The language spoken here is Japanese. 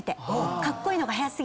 カッコイイのが早過ぎて。